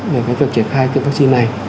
về việc triển khai tiêm vaccine này